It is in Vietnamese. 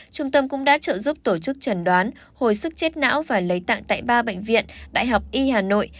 trung tâm cũng đã trợ giúp tổ chức trần đoán hồi sức chết não và lấy tặng tại ba bệnh viện đại học y hà nội